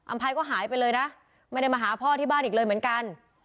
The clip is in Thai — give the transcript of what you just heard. ภัยก็หายไปเลยนะไม่ได้มาหาพ่อที่บ้านอีกเลยเหมือนกัน